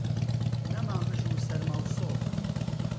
نەما مژ و سەرما و سۆڵ